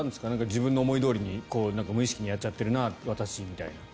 自分の思いどおりに私、無意識にやっちゃってるなってことは。